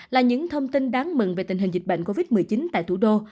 là những thông tin đáng mừng về tình hình dịch bệnh covid một mươi chín tại thủ đô